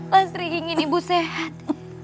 lasri ingin ibu sehat